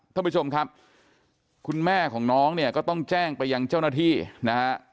ท่านผู้ชมครับคุณแม่ของน้องเนี่ยก็ต้องแจ้งไปยังเจ้าหน้าที่นะฮะ